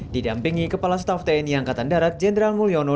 didampingi kepala staff tni angkatan darat jenderal mulyono